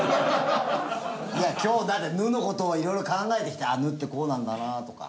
いや今日だって「ぬ」の事をいろいろ考えてきてああ「ぬ」ってこうなんだなとか。